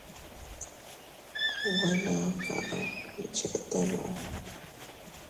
Nwe naa kaʼa mchetenuu.